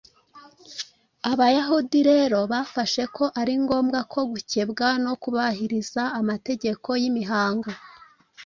Abayahudi rero bafashe ko ari ngombwa ko gukebwa no kubahiriza amategeko y’imihango